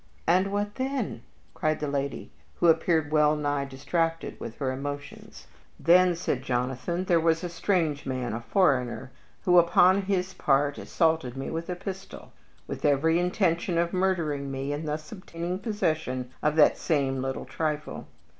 "And what then?" cried the lady, who appeared well nigh distracted with her emotions. "Then," said Jonathan, "there came a strange man a foreigner who upon his part assaulted me with a pistol, with every intention of murdering me and thus obtaining possession of that same little trifle."